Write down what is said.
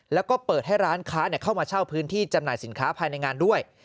แล้วก็เปิดให้ร้านค้าเข้ามาเช่าพื้นที่จำหน่ายสินค้าภายในงานด้วย